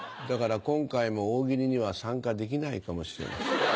だから今回も大喜利には参加できないかもしれません。